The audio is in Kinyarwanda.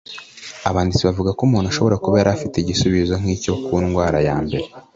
Abanditsi bavuga ko umuntu ashobora kuba yari afite igisubizo nk'icyo ku ndwara ya mbere